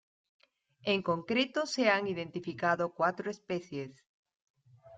En concreto se han identificado cuatro especies.